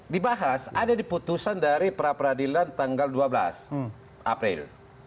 dibahas ada di putusan dari pra peradilan tanggal dua belas april